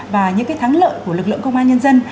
và những thắng lợi của lực lượng công an nhân dân